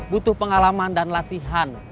butuh pengalaman dan latihan